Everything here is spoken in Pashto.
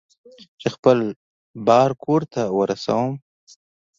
چې خپل بار کور ته ورسوم.